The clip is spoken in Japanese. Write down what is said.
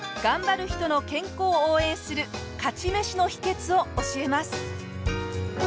頑張る人の健康を応援する勝ち飯の秘訣を教えます。